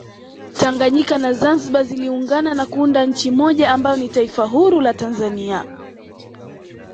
Tanganyika na zanzibar ziliungana na kuunda nchi moja ambayo ni taifa huru la Tanzania